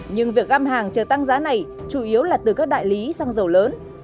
nhưng việc găm hàng chờ tăng giá này chủ yếu là từ các đại lý xăng dầu lớn